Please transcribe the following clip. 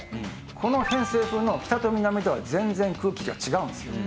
この偏西風の北と南では全然空気が違うんですよ。